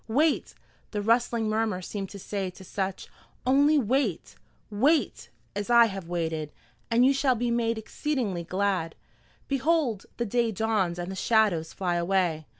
"Wait," the rustling murmur seemed to say to such; "only wait wait, as I have waited, and you shall be made exceedingly glad. Behold, the day dawns and the shadows fly away!"